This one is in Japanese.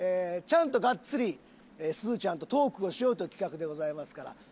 ちゃんとガッツリすずちゃんとトークをしようという企画でございますから。